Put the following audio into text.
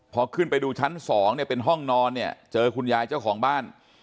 พอขึ้นไปดูชั้นสองเนี่ยเป็นห้องนอนเนี่ยเจอคุณยายเจ้าของบ้าน